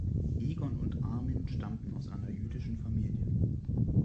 Egon und Armin stammten aus einer jüdischen Familie.